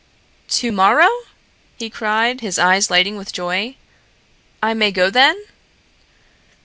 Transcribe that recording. "To morrow?" he cried, his eyes lighting with joy. "I may go then?"